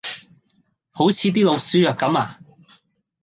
好似啲老鼠藥咁呀